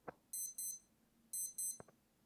তিনি কোন বেতন গ্রহণ করেননি।